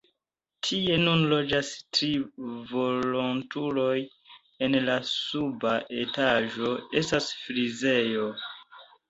Tie nun loĝas tri volontuloj, en la suba etaĝo estas frizejo.